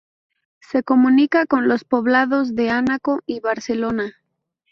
Se comunica con los poblados de Anaco y Barcelona.